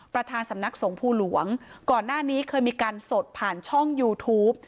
ประธานสำนักสงภูหลวงก่อนหน้านี้เคยมีการสดผ่านช่องยูทูป